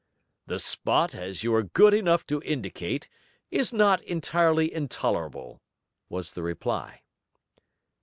'The spot, as you are good enough to indicate, is not entirely intolerable,' was the reply.